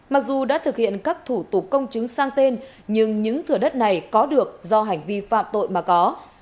mặc dù đã thực hiện các thủ tục công chứng sang tên nhưng những thửa đất này có được do hành vi phạm tội mà có